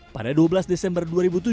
pada dua belas desember dua ribu tujuh belas